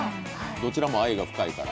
どちらも愛が深いから。